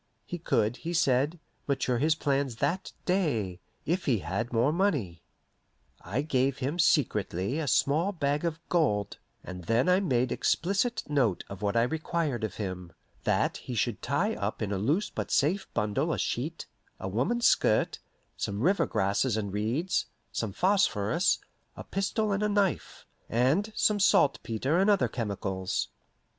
He could, he said, mature his plans that day, if he had more money. I gave him secretly a small bag of gold, and then I made explicit note of what I required of him: that he should tie up in a loose but safe bundle a sheet, a woman's skirt, some river grasses and reeds, some phosphorus, a pistol and a knife, and some saltpetre and other chemicals.